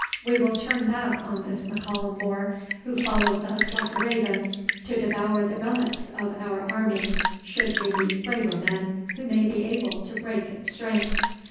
We will turn back on this M'Callum More, who follows us like a raven to devour the relics of our army, should we meet braver men who may be able to break its strength!